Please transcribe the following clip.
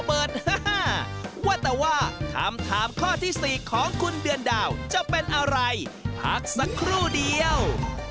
ปุ่มเลข๔มันเสียมึงกดเลข๒สองทีด้วย